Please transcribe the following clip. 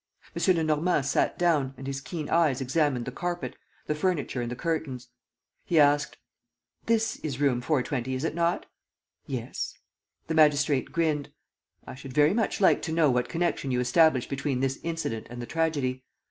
M. Lenormand sat down and his keen eyes examined the carpet, the furniture and the curtains. He asked: "This is room 420, is it not?" "Yes." The magistrate grinned: "I should very much like to know what connection you establish between this incident and the tragedy.